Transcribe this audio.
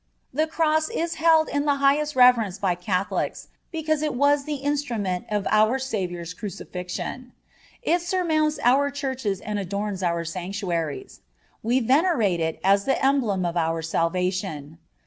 (10) The Cross is held in the highest reverence by Catholics, because it was the instrument of our Savior's crucifixion. It surmounts our churches and adorns our sanctuaries. We venerate it as the emblem of our salvation.